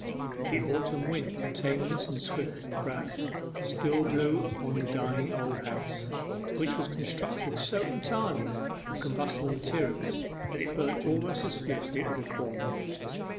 The autumn wind, tameless, and swift, and proud, still blew upon the dying old house, which was constructed so entirely of combustible materials that it burnt almost as fiercely as a corn rick.